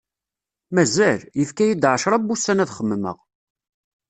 Mazal! Yefka-yi-d ɛecra n wussan ad xemmeɣ.